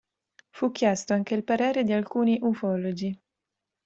Fu chiesto anche il parere di alcuni ufologi.